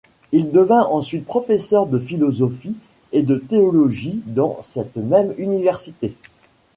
Il devint ensuite professeur de philosophie et de théologie dans cette même université.